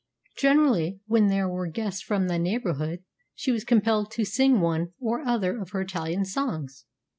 Generally, when there were guests from the neighbourhood, she was compelled to sing one or other of her Italian songs.